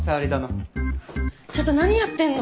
ちょっと何やってんの？